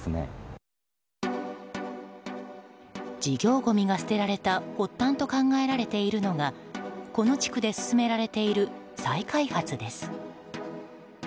事業ごみが捨てられた発端と考えられているのがこの地区で進められている再開発です。